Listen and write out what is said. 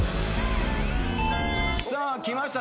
さあきました。